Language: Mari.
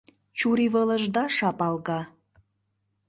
Чурийвылышда шапалга.